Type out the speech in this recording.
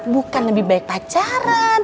bukan lebih baik pacaran